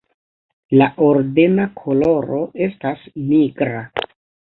La ordena koloro estas nigra.